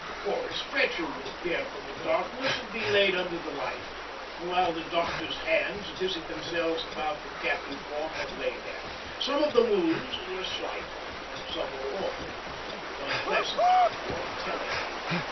Or a stretcher would appear from the darkness and be laid under the light, while the doctors' hands busied themselves about the khaki form that lay there. Some of the wounds were slight, some were awful and unpleasant beyond telling.